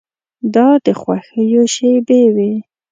دا د خوښیو شېبې وې.